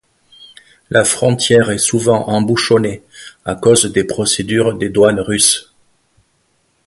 La frontière est souvent embouchonnée à cause des procédures des douanes russes.